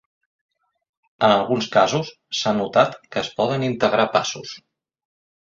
En alguns casos, s'ha notat que es poden integrar passos.